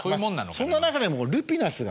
そんな中でもルピナスがね。